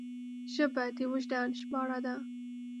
ژبه د وجدان ژباړه ده